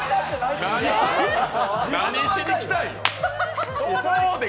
何しに来たんよ。